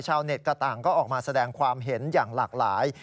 ชาวเน็ตกระต่างก็ออกมาแสดงความเห็นอย่างหลากหลาย